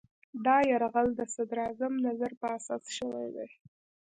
دا یرغل د صدراعظم نظر په اساس شوی دی.